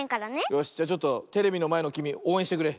よしじゃちょっとテレビのまえのきみおうえんしてくれ。